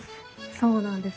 そうなんです。